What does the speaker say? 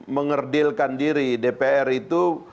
mengerdilkan diri dpr itu